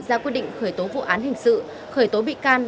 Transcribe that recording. ra quyết định khởi tố vụ án hình sự khởi tố bị can